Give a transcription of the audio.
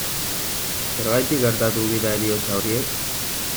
Zergatik gertatu dira heriotza horiek?